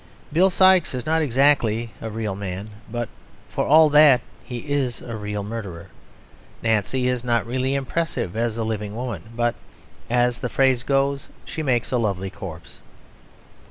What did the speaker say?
Bill Sikes is not exactly a real man, but for all that he is a real murderer. Nancy is not really impressive as a living woman; but (as the phrase goes) she makes a lovely corpse.